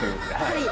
はい。